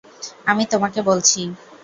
আমি তোমাকে বলছি।